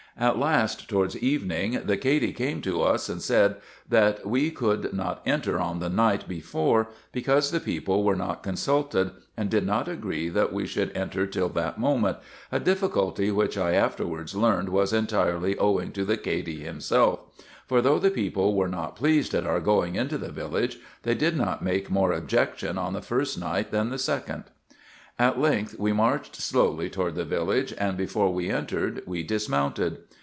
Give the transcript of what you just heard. At last, towards evening, the Cady came to vis, and said, that we could not enter on the night before, because the people were not consulted, and did not agree that we should enter till that moment — a difficulty which I afterwards learned was entirely owing to the Cady himself; for though the people were not pleased at our going into the village, they did not make more objection on the first night than the second. At length, we marched slowly toward the village, and before we entered we dismounted.